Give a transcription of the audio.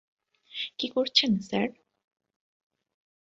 কী করছেন, স্যার?